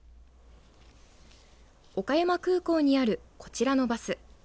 岡山空港にある、こちらのバス。